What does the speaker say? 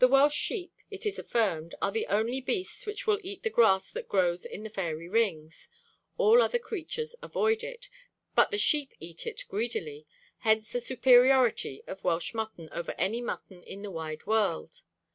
The Welsh sheep, it is affirmed, are the only beasts which will eat the grass that grows in the fairy rings; all other creatures avoid it, but the sheep eat it greedily hence the superiority of Welsh mutton over any mutton in the wide world.